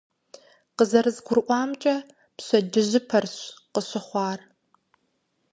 КъызэрызгурыӀуамкӀэ, пщэдджыжьыпэрщ къыщыхъуар.